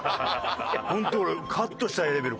ホントカットしたいレベル！